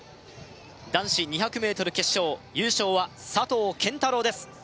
男子２００ｍ決勝優勝は佐藤拳太郎です